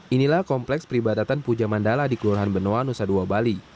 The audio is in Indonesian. inilah kompleks peribadatan puja mandala di kelurahan benoa nusa dua bali